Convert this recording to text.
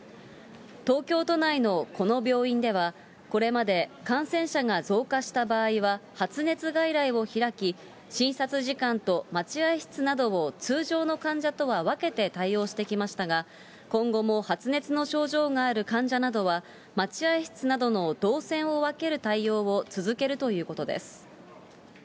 東京都内のこの病院では、これまで感染者が増加した場合は発熱外来を開き、診察時間と待合室などを通常の患者とは分けて対応してきましたが、今後も発熱の症状がある患者などは、待合室などの動線を分ける対応を続けるということです。